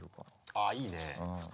ああいいね。